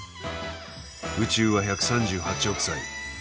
宇宙は１３８億歳。